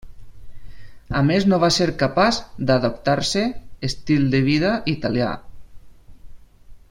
A més no va ser capaç d'adaptar-se estil de vida italià.